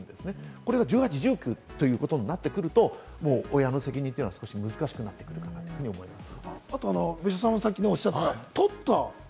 これが１８歳、１９歳ということになってくると、もう親の責任というのは難しくなってくるかと思います。